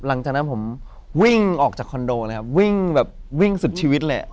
หลังจากนั้นผมวิ่งออกจากคอนโดเลยครับวิ่งแบบวิ่งสุดชีวิตเลย